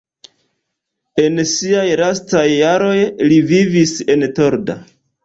En siaj lastaj jaroj li vivis en Torda.